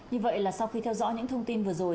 như vậy là sau khi theo dõi những thông tin vừa rồi